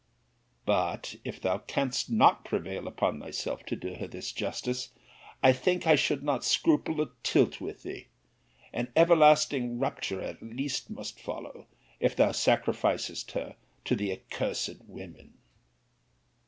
But if thou canst not prevail upon thyself to do her this justice, I think I should not scruple a tilt with thee, [an everlasting rupture at least must follow] if thou sacrificest her to the accursed women.